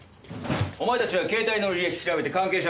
お前たちは携帯の履歴調べて関係者